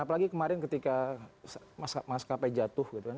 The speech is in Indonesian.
apalagi kemarin ketika maskapai jatuh gitu kan